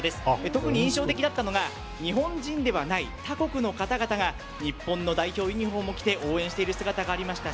特に印象的だったのが日本人ではない他国の方々が日本の代表ユニホームを着て応援している姿がありました。